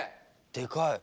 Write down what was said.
でかい。